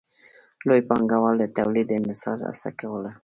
لوی پانګوال د تولید د انحصار هڅه کوله